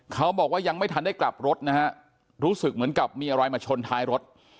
เขาบอกว่ายังไม่ทันได้กลับรถนะฮะรู้สึกเหมือนกับมีอะไรมาชนท้ายรถ